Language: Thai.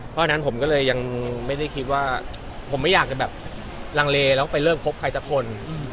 เพราะฉะนั้นผมก็เลยยังไม่ได้คิดว่าผมไม่อยากจะแบบลังเลแล้วก็ไปเลิกคบใครสักคน